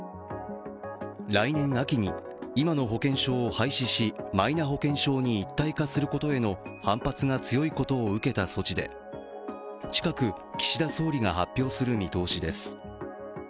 来年秋に今の保険証を廃止し、マイナ保険証に一体化することへの反発が強いことを受けた措置で、近く岸田総理が発表する見通しです。